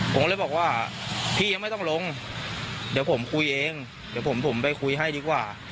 ผมก็เลยบอกว่าพี่ยังไม่ต้องลงเดี๋ยวผมคุยเองเดี๋ยวผมไปคุยให้ดีกว่า